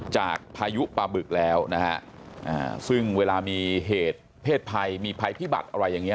พายุปลาบึกแล้วนะฮะซึ่งเวลามีเหตุเพศภัยมีภัยพิบัติอะไรอย่างนี้